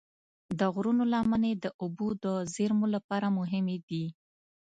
د غرونو لمنې د اوبو د زیرمو لپاره مهمې دي.